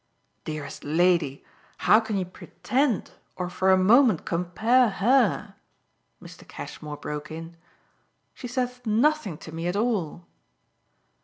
"Dearest lady, how can you pretend or for a moment compare her ?" Mr. Cashmore broke in. "She says nothing to me at all."